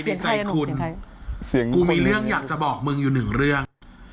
เสียใจคุณกูมีเรื่องอยากจะบอกมึงอยู่หนึ่งเรื่อง